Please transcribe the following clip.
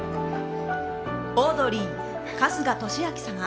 オードリー、春日俊彰様。